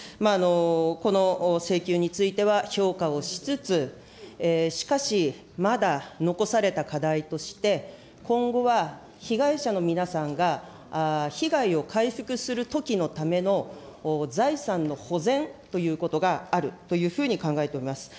この請求については評価をしつつ、しかし、まだ残された課題として、今後は被害者の皆さんが、被害を回復するときのための、財産の保全ということがあるというふうに考えております。